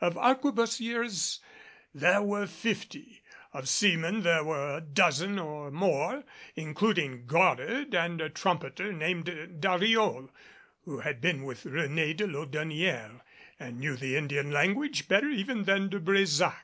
Of arquebusiers there were fifty, and of seamen there were a dozen or more, including Goddard and a trumpeter named Dariol, who had been with Réné de Laudonnière and knew the Indian language better even than De Brésac.